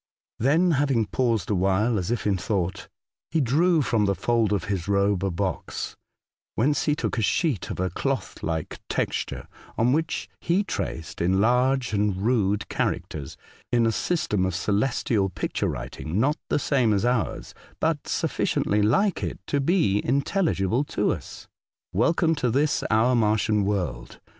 Then, having paused awhile, as if in thought, he drew from the fold of his robe a box, whence he took a sheet of a cloth like texture, on which he traced in large and rude characters, in a system of celestial picture writing, not the same as ours, but sufficiently like it to be intelligible to us : 112 A Voyage to Other Worlds. '' Welcome to tliis our Martian world.